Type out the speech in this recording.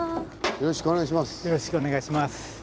よろしくお願いします。